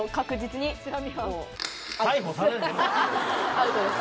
アウトです。